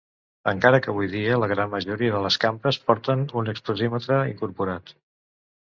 Encara que avui dia la gran majoria de les cambres porten un exposímetre incorporat.